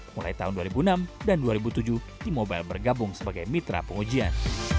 mulai tahun dua ribu enam dan dua ribu tujuh t mobile bergabung sebagai mitra pengujian